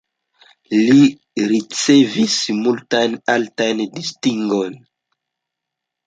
Li ricevis multajn altajn distingojn.